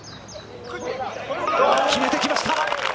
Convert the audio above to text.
決めてきました。